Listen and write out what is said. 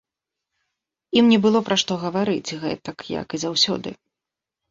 Ім не было пра што гаварыць гэтак, як і заўсёды.